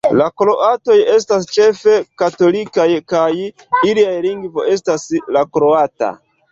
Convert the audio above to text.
La kroatoj estas ĉefe katolikaj, kaj ilia lingvo estas la kroata.